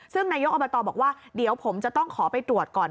ซึ่งนายกอบตบอกว่าเดี๋ยวผมจะต้องขอไปตรวจก่อน